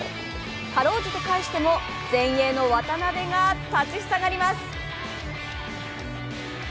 かろうじて返しても前衛の渡邉が立ちふさがります。